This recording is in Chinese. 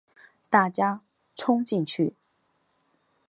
大家冲进去